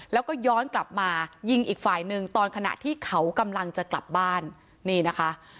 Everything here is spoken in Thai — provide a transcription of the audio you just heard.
แล้วก็ย้อนกลับมายิงอีกฝ่ายหนึ่งตอนขณะที่เขากำลังจะกลับบ้านนี่นะคะ